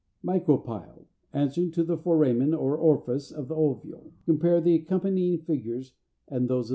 MICROPYLE, answering to the Foramen or orifice of the ovule. Compare the accompanying figures and those of the ovules, Fig.